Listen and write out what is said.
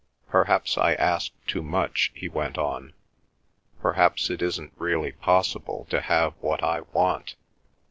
"Perhaps I ask too much," he went on. "Perhaps it isn't really possible to have what I want.